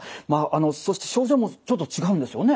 そして症状もちょっと違うんですよね。